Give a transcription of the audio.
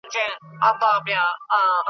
د واده کولو لپاره ښځه نه ده